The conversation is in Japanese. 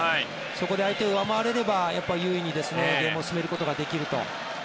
そこで相手を上回れれば優位にゲームを進めることができると。